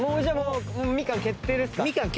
みかん決定ですか？